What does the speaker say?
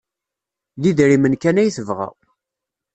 D idrimen kan ay tebɣa.